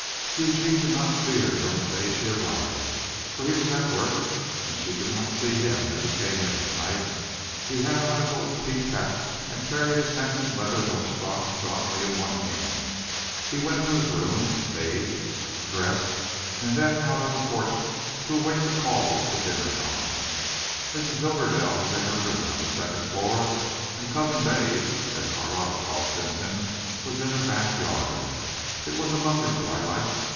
Eugene did not see her during the day she arrived, for he was at work; and she did not see him as he came in at night. He had on his old peaked hat and carried his handsome leather lunch box jauntily in one hand. He went to his room, bathed, dressed and then out on the porch to await the call of the dinner gong. Mrs. Hibberdell was in her room on the second floor and "Cousin Dave," as Carlotta called Simpson, was in the back yard. It was a lovely twilight.